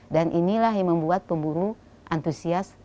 dan inilah yang membuat pemburu antusias